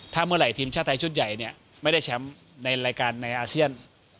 ถ้าเมื่อไหร่ทีมชาติไทยชุดใหญ่เนี่ยไม่ได้แชมป์ในรายการในอาเซียน